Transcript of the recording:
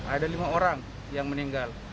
ada lima orang yang meninggal